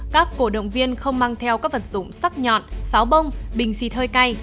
các cổ động viên không mang theo các vật dụng sắc nhọn pháo bông bình xịt hơi cay